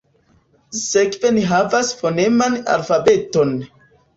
Sekve ni havas foneman alfabeton.